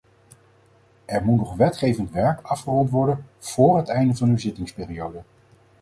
Er moet nog wetgevend werk afgerond worden vóór het einde van uw zittingsperiode.